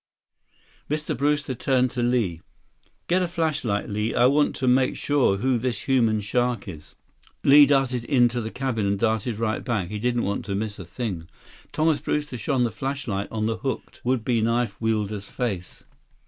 Mr. Brewster turned to Li. "Get a flashlight, Li. I want to make sure who this human shark is." Li darted into the cabin and darted right back. He didn't want to miss a thing. Thomas Brewster shone the flashlight on the hooked, would be knife wielder's face.